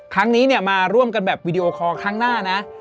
ครั้งนี้เนี่ยมาร่วมกันแบบวีดีโอคอร์ครั้งหน้านะ